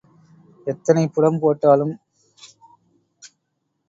எத்தனை புடம் போட்டாலும் இரும்பு பசும்பொன் ஆகுமா?